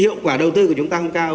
hiệu quả đầu tư của chúng ta không cao